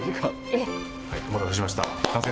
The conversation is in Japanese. お待たせしました。